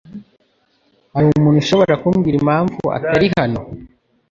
Hari umuntu ushobora kumbwira impamvu atari hano?